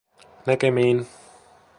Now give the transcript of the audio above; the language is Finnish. Näkemiin